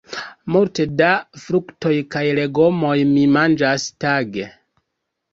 Multe da fruktoj kaj legomoj mi manĝas tage.